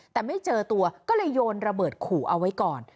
แต่ไม่เจอตัวก็เลยโยนระเบิดขู่เอาไว้ก่อน